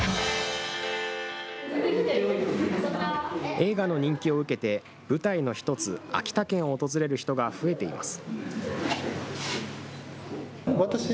映画の人気を受けて、舞台の一つ、秋田県を訪れる人が増えています。